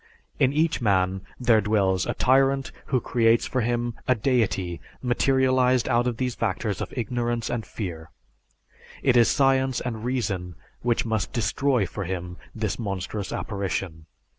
In each man there dwells a tyrant who creates for him a deity materialized out of these factors of ignorance and fear. It is science and reason which must destroy for him this monstrous apparition.